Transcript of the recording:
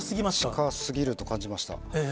近すぎると感じました。